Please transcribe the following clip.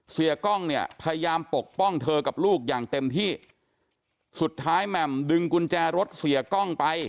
กล้องเนี่ยพยายามปกป้องเธอกับลูกอย่างเต็มที่สุดท้ายแหม่มดึงกุญแจรถเสียกล้องไป